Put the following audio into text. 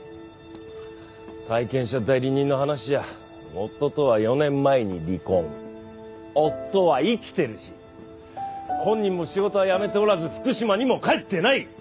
債権者代理人の話じゃ夫とは４年前に離婚夫は生きてるし本人も仕事は辞めておらず福島にも帰ってない！